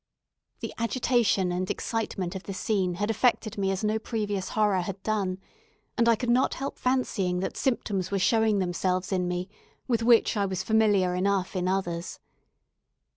The agitation and excitement of this scene had affected me as no previous horror had done, and I could not help fancying that symptoms were showing themselves in me with which I was familiar enough in others.